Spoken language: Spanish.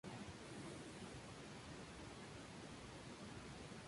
Morado es histórico para nosotros.